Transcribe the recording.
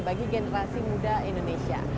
bagi generasi muda indonesia